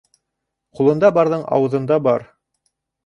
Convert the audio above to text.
Ҡулында барҙың ауыҙында бар.